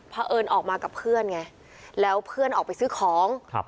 เพราะเอิญออกมากับเพื่อนไงแล้วเพื่อนออกไปซื้อของ